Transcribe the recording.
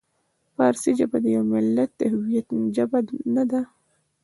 فارسي ژبه د یوه ملت د هویت ژبه نه ده.